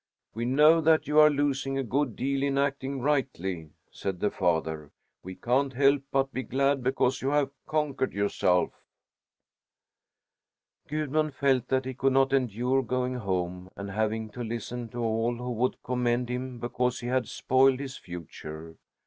"We know that you are losing a good deal in acting rightly," said the father. "We can't help but be glad because you have conquered yourself." Gudmund felt that he could not endure going home and having to listen to all who would commend him because he had spoiled his future.